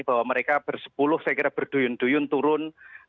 bahwa mereka bersepuluh saya kira berduyun duyun turun